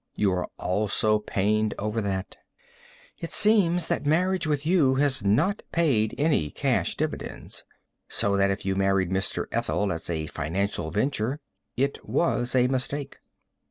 You are also pained over that. It seems that marriage with you has not paid any cash dividends. So that if you married Mr. Ethel as a financial venture, it was a mistake.